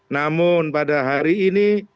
namun pada hari ini